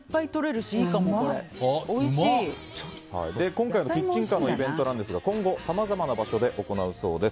今回のキッチンカーのイベントですが今後、さまざまな場所で行うそうです。